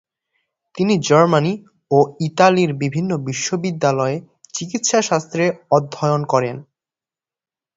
তিনি জার্মানি ও ইতালির বিভিন্ন বিশ্ববিদ্যালয়ে চিকিৎসাশাস্ত্র অধ্যয়ন করেন।